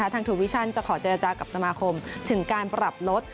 ทางทูวิชั่นจะขอเจรจากับสมาคมถึงการปรับลด